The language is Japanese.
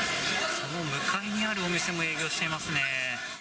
その向かいにあるお店も営業していますね。